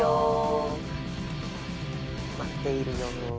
待っているよ。